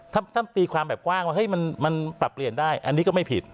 ถ้าท่านตีความแบบกว้างว่ามันปรับเปลี่ยนได้อันนี้ก็ไม่ผิด